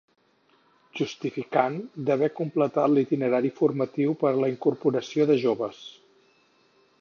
Justificant d'haver completat l'itinerari formatiu per la incorporació de joves.